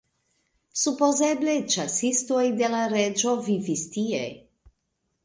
Supozeble ĉasistoj de la reĝo vivis tie.